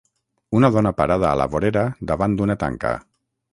Una dona parada a la vorera davant d'una tanca.